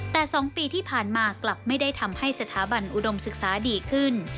แต่๒ปีที่ผ่านมากลับไม่ได้ทำให้สถาบันอุดมศึกษาดีขึ้น